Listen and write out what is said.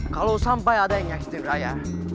kalau sampai ada yang nyakitin raya